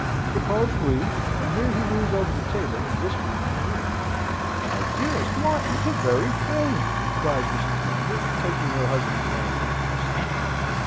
Suppose we..." And here he leans over the table and whispers in her ear. "My dearest Martin! The very thing!" cries Mrs. Lambert, taking her husband's hand and pressing it.